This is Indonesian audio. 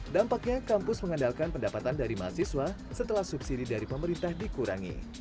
dampaknya kampus mengandalkan pendapatan dari mahasiswa setelah subsidi dari pemerintah dikurangi